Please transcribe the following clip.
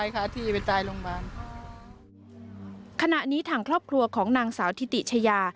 ขณะนี้ทางครอบครัวของนางสาวทิติชายา